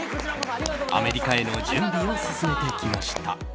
アメリカへの準備を進めてきました。